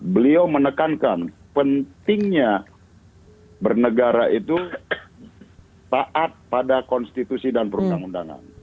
beliau menekankan pentingnya bernegara itu taat pada konstitusi dan perundang undangan